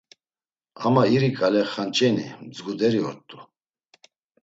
Ama iri ǩale xanç̌eni, mdzguderi ort̆u.